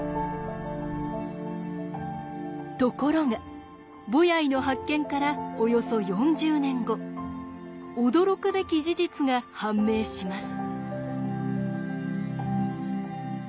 ところがボヤイの発見からおよそ４０年後驚くべき事実が判明します。